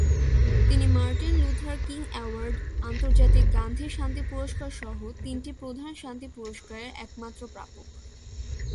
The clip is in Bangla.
তিনি মার্টিন লুথার কিং অ্যাওয়ার্ড, আন্তর্জাতিক গান্ধী শান্তি পুরস্কারসহ তিনটি প্রধান শান্তি পুরস্কারের একমাত্র প্রাপক।